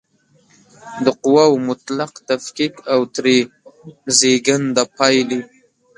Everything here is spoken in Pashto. د قواوو مطلق تفکیک او ترې زېږنده پایلې